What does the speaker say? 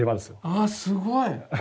あすごい！